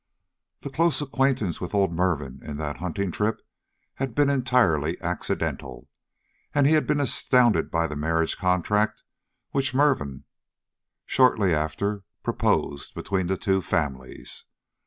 The close acquaintance with old Mervin in that hunting trip had been entirely accidental, and he had been astounded by the marriage contract which Mervin shortly after proposed between the two families.